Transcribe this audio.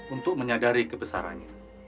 untuk menyadari kebesaran